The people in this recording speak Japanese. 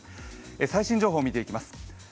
最新情報を見ていきます。